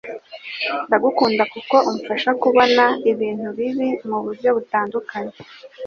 Ndagukunda kuko umfasha kubona ibintu bibi muburyo butandukanye.